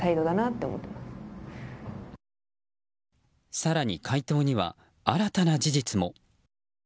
更に回答には、新たな事実も。